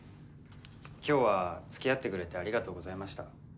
今日はつきあってくれてありがとうございました。